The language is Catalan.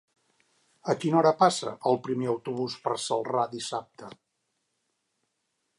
A quina hora passa el primer autobús per Celrà dissabte?